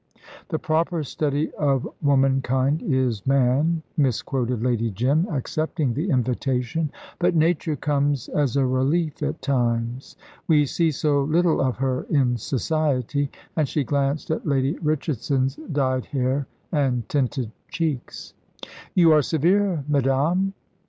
"The proper study of womankind is man," misquoted Lady Jim, accepting the invitation; "but nature comes as a relief at times. We see so little of her in society," and she glanced at Lady Richardson's dyed hair and tinted cheeks. "You are severe, madame."